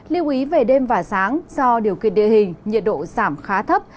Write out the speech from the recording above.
lưu ý về đêm và sáng do điều kiện địa hình nhiệt độ giảm khá thấp